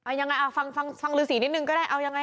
อะยังไงฟังลูกศรีนิดนึงก็ได้